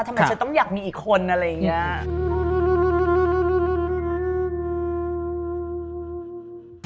ทำไมฉันต้องอยากมีอีกคนอะไรอย่างนี้